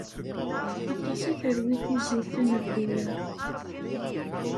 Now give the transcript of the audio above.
Aṭas i terwi tizit, anebdu-a.